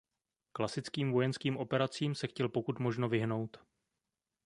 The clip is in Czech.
Klasickým vojenským operacím se chtěl pokud možno vyhnout.